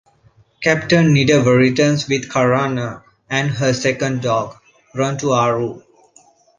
Captain Nidever returns with Karana and her second dog, Rontu-Aru.